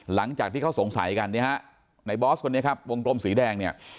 หลังจากที่เขาสงสัยกันเนี่ยฮะในบอสคนนี้ครับวงกลมสีแดงเนี่ย